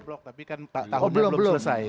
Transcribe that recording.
itu belum jeblok tapi kan tahunnya belum selesai